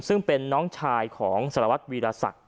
ซึ่งเป็นน้องชายของสารวัตรวีรศักดิ์